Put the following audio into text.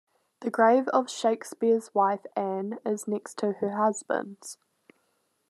The grave of Shakespeare's wife Anne is next to her husband's.